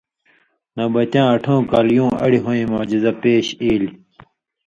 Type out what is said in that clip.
نبوّتیاں اٹھؤں کال یُوں اڑیۡ ہویں (شق القمر) معجزہ پیش اِیلیۡ۔